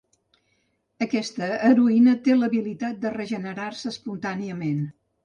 Aquesta heroïna té l'habilitat de regenerar-se espontàniament.